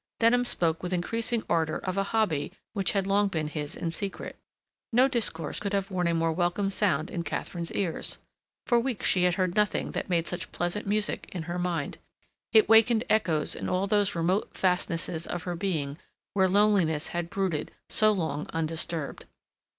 Denham spoke with increasing ardor of a hobby which had long been his in secret. No discourse could have worn a more welcome sound in Katharine's ears. For weeks she had heard nothing that made such pleasant music in her mind. It wakened echoes in all those remote fastnesses of her being where loneliness had brooded so long undisturbed.